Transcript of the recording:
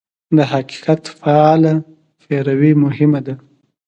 د حقیقت فعاله پیروي مهمه ده.